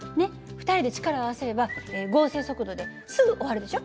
２人で力を合わせれば合成速度ですぐ終わるでしょ？